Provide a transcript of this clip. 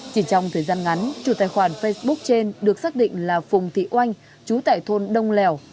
chỉ trong thời gian ngắn chủ tài khoản facebook trên được xác định là phùng thị oanh chú tại thôn đông lèo